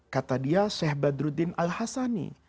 kata dia syekh badruddin al hassani